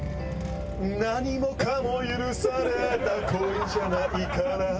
「何もかも許された恋じゃないから」